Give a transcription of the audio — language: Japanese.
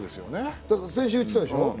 最初言ってたでしょう？